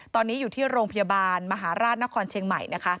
ตอนนี้อยู่ที่โรงพยาบาลมหาราชนครเชียงใหม่นะคะ